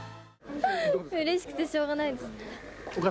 うれしくてしょうがないです。